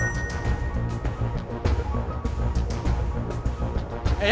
terserah lo deh